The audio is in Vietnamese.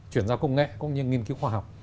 chuyển giao công nghệ cũng như nghiên cứu khoa học